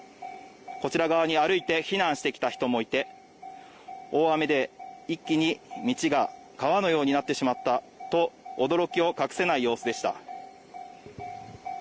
こちら側に歩いて避難してきた人もいて、大雨で一気に道が川のようになってしまったと驚きを隠せない様子でした。